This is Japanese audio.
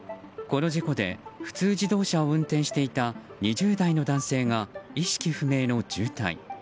この事故で、普通自動車を運転していた２０代の男性が意識不明の重体。